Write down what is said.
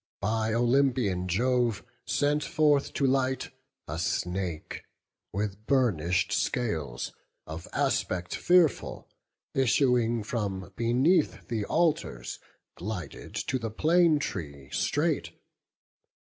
by Olympian Jove Sent forth to light, a snake, with burnish'd scales, Of aspect fearful, issuing from beneath The altars, glided to the plane tree straight.